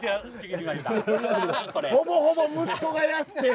ほぼほぼ息子がやって。